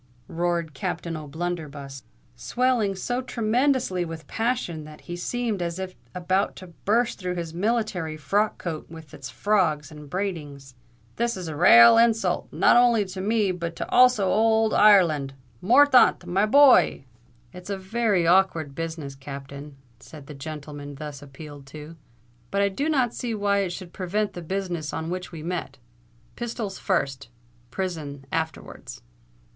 roared Captain O'Blunderbuss, swelling so tremendously with passion that he seemed as if about to burst through his military frock coat with its frogs and braidings: "this is a rale insult not ounly to me, but also to ould Ireland. Mor r thaunt, my boy——" "It's a very awkward business, Captain," said the gentleman thus appealed to. "But I do not see why it should prevent the business on which we met. Pistols first—prison afterwards."